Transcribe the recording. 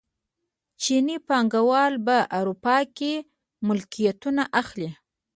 چیني پانګوال په اروپا کې ملکیتونه اخلي.